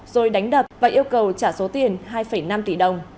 rồi đánh đập và yêu cầu trả số tiền hai năm tỷ đồng